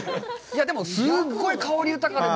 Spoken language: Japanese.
でもすごい香り豊かで。